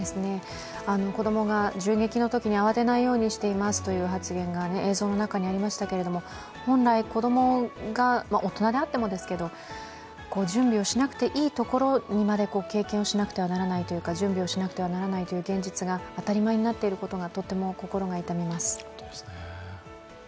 子供が銃撃のときに慌てないようにしていますという発言が映像の中にありましたけど本来子供が、大人であってもですけど準備をしなくていいところまで経験しなくてはならないというか準備をしなくてはならないという現実が当たり前になっていることがとても心が痛みます。